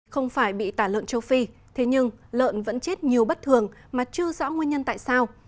không phải bị tả lợn châu phi thế nhưng lợn vẫn chết nhiều bất thường mà chưa rõ nguyên nhân tại sao